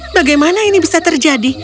bagaimana ini bisa terjadi